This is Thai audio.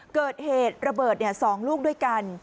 เกิดเหตุระเบิด๒ลูกด้วยกัน